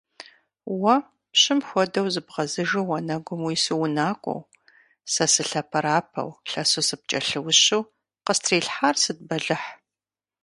Уэ пщым хуэдэу зыбгъэзыжу уанэгум уису унакӀуэу, сэ сылъэпэрапэу лъэсу сыпкӀэлъыущу, къыстрилъхьар сыт бэлыхь?